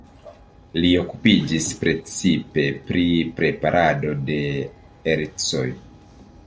Li okupiĝis precipe pri preparado de ercoj.